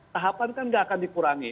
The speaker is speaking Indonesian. tahapan kan nggak akan dikurangi